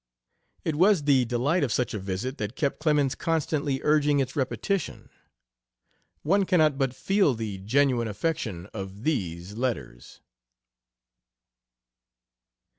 It was the delight of such a visit that kept Clemens constantly urging its repetition. One cannot but feel the genuine affection of these letters.